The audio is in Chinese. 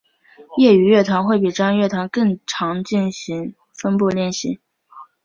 业余乐团会比专业乐团更常进行分部练习。